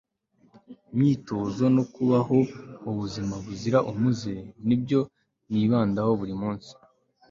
imyitozo no kubaho ubuzima buzira umuze ni byo nibandaho buri munsi